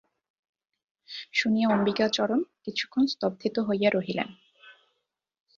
শুনিয়া অম্বিকাচরণ কিছুক্ষণ স্তম্ভিত হইয়া রহিলেন।